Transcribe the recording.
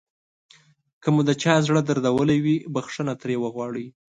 که مو د چا زړه دردولی وي بښنه ترې وغواړئ.